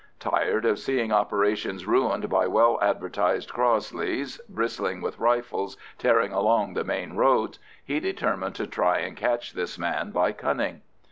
Tired of seeing operations ruined by well advertised Crossleys, bristling with rifles, tearing along the main roads, he determined to try and catch his man by cunning.